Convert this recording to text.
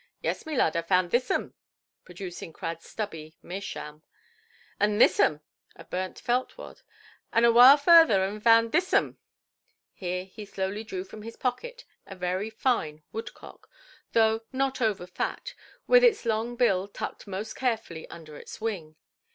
"Yees, my lard, I vound thissom"—producing Cradʼs stubby meerschaum—"and thissom"—a burnt felt–wad—"and a whaile vurther, ai vound thissom". Here he slowly drew from his pocket a very fine woodcock, though not over fat, with its long bill tucked most carefully under its wing.